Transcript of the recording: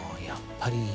やっぱり。